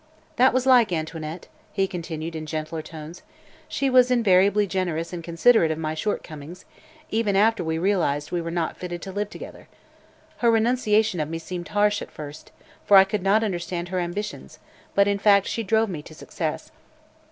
That was like Antoinette," he continued, in gentler tones; "she was invariably generous and considerate of my shortcomings, even after we realized we were not fitted to live together. Her renunciation of me seemed harsh, at first, for I could not understand her ambitions, but in fact she drove me to success.